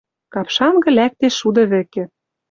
Капшангы лӓктеш шуды вӹкӹ